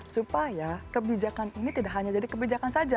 supaya kebijakan ini tidak hanya jadi kebijakan saja